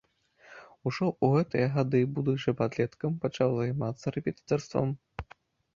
Ужо ў гэтыя гады, будучы падлеткам, пачаў займацца рэпетытарствам.